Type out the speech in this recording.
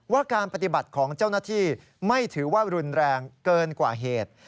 การปฏิบัติของเจ้าหน้าที่ไม่ถือว่ารุนแรงเกินกว่าเหตุ